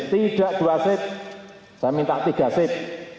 tidak dua sip saya minta tiga sip